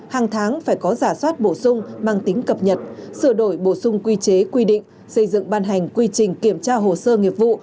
hàng tháng phải có giả soát bổ sung mang tính cập nhật sửa đổi bổ sung quy chế quy định xây dựng ban hành quy trình kiểm tra hồ sơ nghiệp vụ